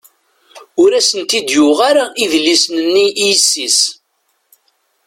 Ur asent-ten-id-yuɣ ara idlisen-nni i yessi-s.